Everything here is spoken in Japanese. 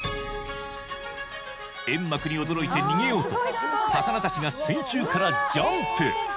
煙幕に驚いて逃げようと魚たちが水中からジャンプ！